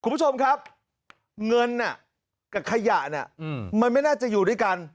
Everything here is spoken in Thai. คุณผู้ชมครับเงินกับขยะเนี่ยมันไม่น่าจะอยู่ด้วยกัน